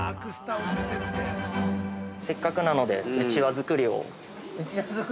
◆せっかくなので、うちわ作りを。